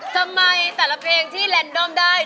ทำไมแต่ละเพลงที่แลนดอมได้